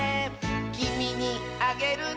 「きみにあげるね」